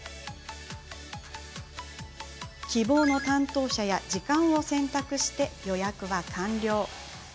希望の担当者や時間を選択し予約は完了。